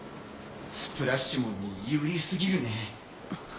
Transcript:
スプラッシュモンに有利すぎるね。